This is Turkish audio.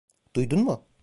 Duydun mu?